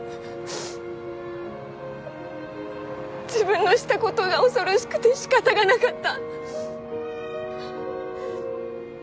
自分のしたことが恐ろしくて仕方がなかった。